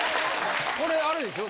これあれでしょ？